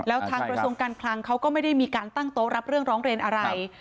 แล้วทางกระทรวงการคลังเขาก็ไม่ได้มีการตั้งโต๊ะรับเรื่องร้องเรียนอะไร